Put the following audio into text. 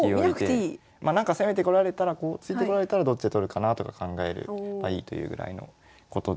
まあなんか攻めてこられたらこう突いてこられたらどっちで取るかなとか考えればいいというぐらいのことで。